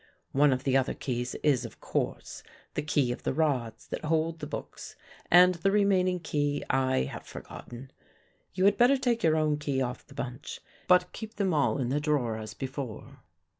One of the other keys is, of course, the key of the rods that hold the books and the remaining key I have forgotten. You had better take your own key off the bunch, but keep them all in the drawer as before."